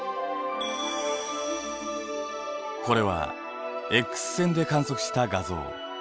これはＸ線で観測した画像。